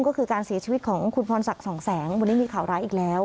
ก็คือการเสียชีวิตของคุณพรศักดิ์สองแสงวันนี้มีข่าวร้ายอีกแล้ว